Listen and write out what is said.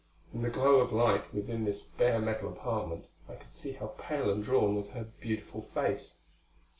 In the glow of light within this bare metal apartment I could see how pale and drawn was her beautiful face.